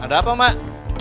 ada apa mak